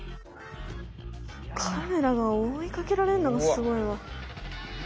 カメラが追いかけられるのがすごいわ。